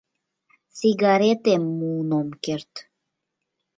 Сигаретем муын ом керт.